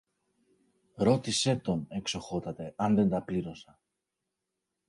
Ρώτησε τον, Εξοχότατε, αν δεν τα πλήρωσα!